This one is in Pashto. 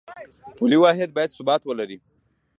پولي واحد باید ثبات ولري